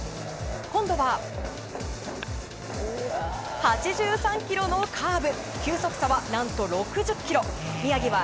今度は、８３キロのカーブ。